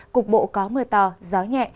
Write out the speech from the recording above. cục bộ có mưa to gió nhẹ